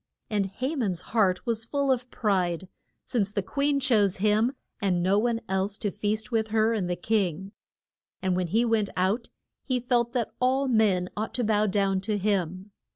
And Ha man's heart was full of pride, since the queen chose him and no one else to feast with her and the king. And when he went out he felt that all men ought to bow down to him.